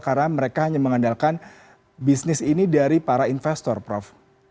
karena mereka hanya mengandalkan bisnis ini dari para investor prof